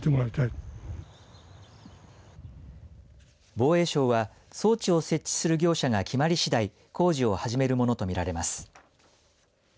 防衛省は装置を設置する業者が決まりしだい工事を始めるものとみられます。